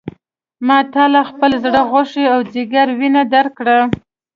ما تا له خپل زړه غوښې او ځیګر وینه درکړه.